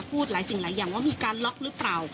พูดหลายสิ่งหลายอย่างว่ามีการล็อกหรือเปล่า